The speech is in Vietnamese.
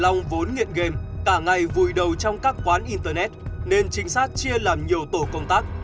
lòng vốn nghiện game cả ngày vùi đầu trong các quán internet nên trinh sát chia làm nhiều tổ công tác